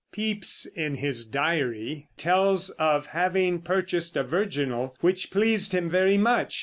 Pepys, in his diary, tells of having purchased a virginal which pleased him very much.